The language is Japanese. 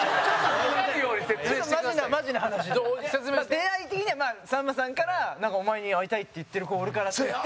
兼近：出会い的にはさんまさんから「お前に会いたいって言ってる子おるから」っていって。